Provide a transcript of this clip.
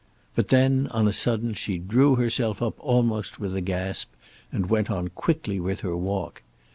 But then, on a sudden, she drew herself up almost with a gasp, and went on quickly with her walk.